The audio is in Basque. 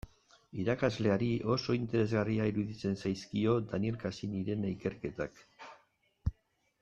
Irakasleari oso interesgarria iruditzen zaizkio Daniel Cassanyren ikerketak.